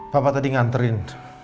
papa tadi nganterin